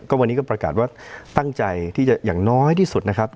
วันนี้ก็ประกาศว่าตั้งใจที่จะอย่างน้อยที่สุดนะครับ